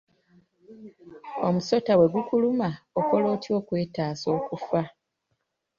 Omusota bwe gukuluma okola otya okwetaasa okufa?